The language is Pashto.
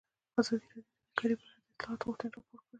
ازادي راډیو د بیکاري په اړه د اصلاحاتو غوښتنې راپور کړې.